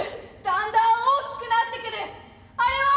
「だんだん大きくなってくるあれは！」。